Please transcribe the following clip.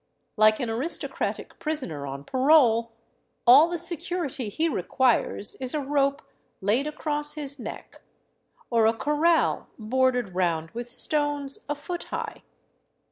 Like an aristo cratic prisoner on parole, all the security he requires is a rope laid across his neck, or a corral bordered round with stones a foot high.